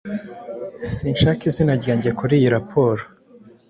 Sinshaka izina ryanjye kuri iyi raporo.